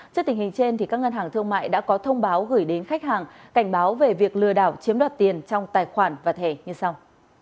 trước tình hình trên các ngân hàng thương mại đã có thông báo gửi đến khách hàng cảnh báo về việc lừa đảo chiếm đoạt tiền trong tài khoản và thẻ như sau